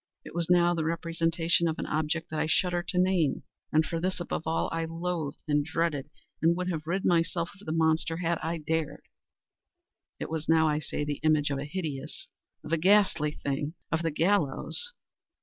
It was now the representation of an object that I shudder to name—and for this, above all, I loathed, and dreaded, and would have rid myself of the monster had I dared—it was now, I say, the image of a hideous—of a ghastly thing—of the GALLOWS!